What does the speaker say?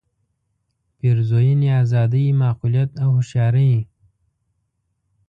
پېرزوینې آزادۍ معقولیت او هوښیارۍ.